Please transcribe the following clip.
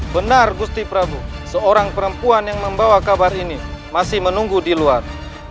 benar gusti prabu seorang perempuan yang membawa kabar ini masih menunggu di luar